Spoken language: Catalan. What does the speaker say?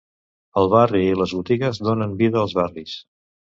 El barri i les botigues donen vida als barris.